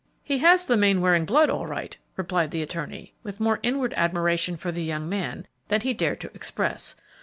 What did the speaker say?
"He has the Mainwaring blood all right," replied the attorney, with more inward admiration for the young man than he dared to express.